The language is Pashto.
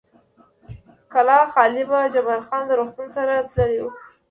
کلا خالي وه، جبار خان د روغتون سره تللی و.